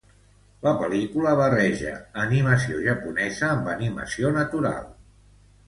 La pel·lícula barreja animació japonesa amb animació natural.